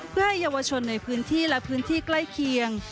เพื่อให้เยาวชนในพื้นที่และพื้นที่ใกล้เคียง